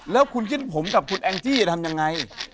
แล้วคุณเส้นผมกับคุณแองจี้จะทำยังไง